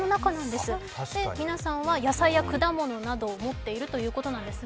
皆さんは野菜や果物などを持っているということなんですが。